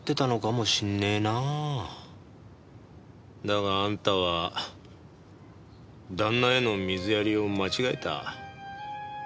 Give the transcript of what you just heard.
だがあんたは旦那への水やりを間違えた。